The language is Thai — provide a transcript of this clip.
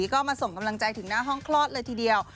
ก็มาส่งกำลังใจถึงหน้าห้องคลอดเลยทีเดียว